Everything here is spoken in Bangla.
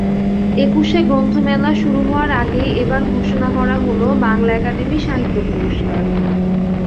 একুশে গ্রন্থমেলা শুরু হওয়ার আগেই এবার ঘোষণা করা হলো বাংলা একাডেমি সাহিত্য পুরস্কার।